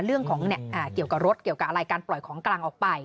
เรื่องของเกี่ยวกับรถเกี่ยวกับอะไรการปล่อยของกลางออกไป